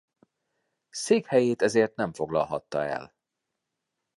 Székhelyét ezért nem foglalhatta el.